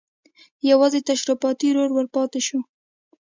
یوازې تشریفاتي رول ور پاتې شو.